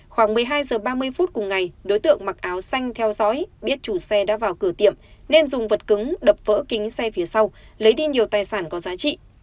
khoảng một mươi hai h ba mươi phút cùng ngày đối tượng mặc áo xanh theo dõi biết chủ xe đã vào cửa tiệm nên dùng vật cứng đập vỡ kính xe phía sau lấy đi nhiều tài sản có giá trị